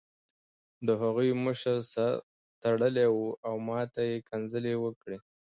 د هغوی مشر سر تړلی و او ماته یې کنځلې وکړې